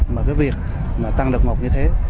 mà cái việc tăng độc ngộ như thế